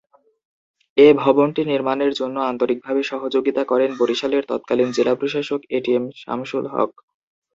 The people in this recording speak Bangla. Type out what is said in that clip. এ ভবনটি নির্মাণের জন্য আন্তরিকভাবে সহযোগিতা করেন বরিশালের তৎকালীন জেলা প্রশাসক এটিএম শামসুল হক।